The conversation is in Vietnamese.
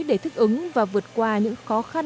để thức ứng và vượt qua những khó khăn